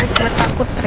eh kaya takut re